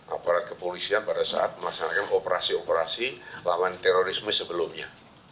aparat kepolisian pada saat melaksanakan operasi operasi lawan terorisme sebelumnya